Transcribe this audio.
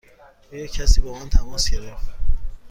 آیا کسی با من تماس گرفت؟